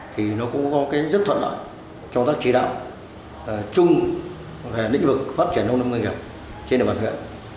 thì nó cũng có rất thuận lợi trong các chỉ đạo chung về lĩnh vực phát triển nông nghiệp trên đường bản nguyện